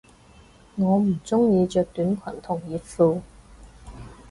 我唔鍾意着短裙同熱褲